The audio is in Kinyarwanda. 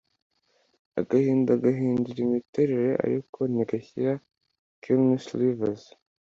agahinda gahindura imiterere, ariko ntigashira - keanu reeves